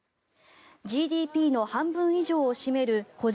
ＧＤＰの半分以上を占める個人